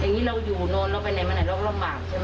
อย่างนี้เราอยู่นอนเราไปไหนมาไหนเราก็ลำบากใช่ไหม